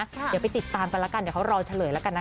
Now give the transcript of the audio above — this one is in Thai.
เดี๋ยวไปติดตามกันแล้วกันเดี๋ยวเขารอชะเรียนะคะ